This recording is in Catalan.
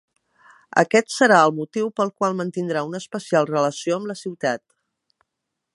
Aquest serà el motiu pel qual mantindrà una especial relació amb la ciutat.